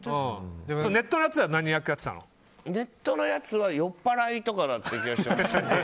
ネットのやつではネットのやつは酔っ払いとかだった気がしますね。